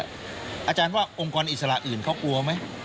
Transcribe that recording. อาจารย์ว่าองค์กรอิสระอื่นเขากลัวไหม